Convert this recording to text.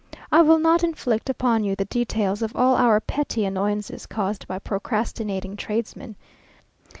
I will not inflict upon you the details of all our petty annoyances caused by procrastinating tradesmen.